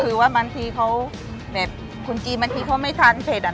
คนที่มาทานอย่างเงี้ยควรจะมาทานแบบคนเดียวนะครับคนที่มาทานอย่างเงี้ยควรจะมาทานแบบคนเดียวนะครับ